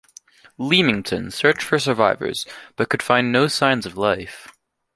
"Leamington" searched for survivors but could find no signs of life.